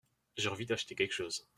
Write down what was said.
J’ai envie d’acheter quelque chose.